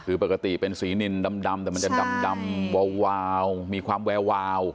คือปกติเป็นสีนินดำแต่มันจะดำวาวมีความแวววาว